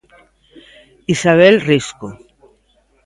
Isabel Risco.